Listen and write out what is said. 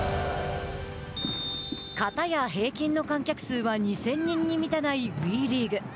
かたや平均の観客数は２０００人に満たないＷＥリーグ。